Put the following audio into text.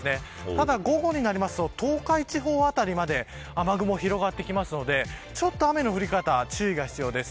ただ午後になると東海地方辺りまで雨雲が広がってくるのでちょっと雨の降り方に注意が必要です。